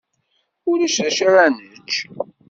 Ulac d acu ara nečč.